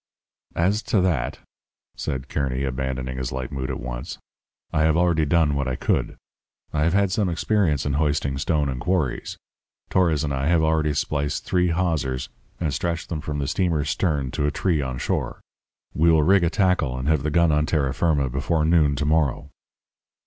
"'As to that,' said Kearny, abandoning his light mood at once, 'I have already done what I could. I have had some experience in hoisting stone in quarries. Torres and I have already spliced three hawsers and stretched them from the steamer's stern to a tree on shore. We will rig a tackle and have the gun on terra firma before noon to morrow.'